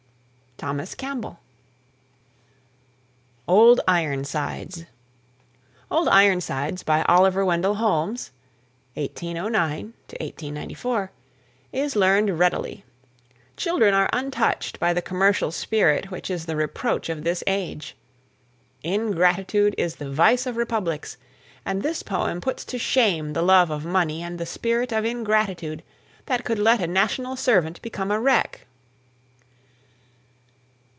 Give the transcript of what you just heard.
THOMAS CAMPBELL. OLD IRONSIDES. "Old Ironsides," by Oliver Wendell Holmes (1809 94), is learned readily. Children are untouched by the commercial spirit which is the reproach of this age. "Ingratitude is the vice of republics," and this poem puts to shame the love of money and the spirit of ingratitude that could let a national servant become a wreck.